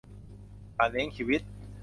การเลี้ยงชีวิต